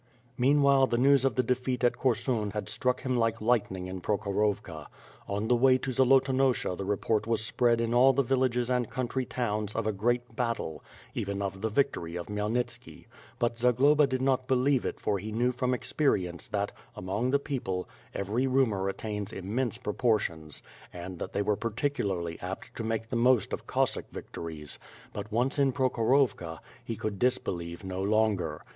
Meanwhile the news of the defeat at Korshun had struck him like lightning in Prokhorovka. On the way to Zoloton osha the report was spread in all the villages and country towns, of a great battle, even of the victory of Khmyelnitski; but Zagloba did not believe it for he knew from experience that, among the people, every rumor attains immense propor tions, and that they were particularly apt to make the most of Cossack victories; but, once in Prokhorovka, he could dis 2^8 ^^^B FIRE AND SWORD. believe no longer.